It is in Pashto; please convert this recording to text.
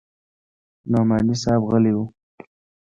نعماني صاحب غلى و.